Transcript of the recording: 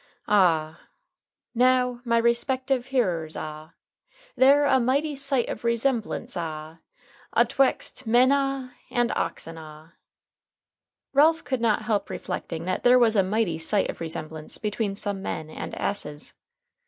A h h! Now, my respective hearers ah, they're a mighty sight of resemblance ah atwext men ah and oxen ah" [Ralph could not help reflecting that there was a mighty sight of resemblance between some men and asses.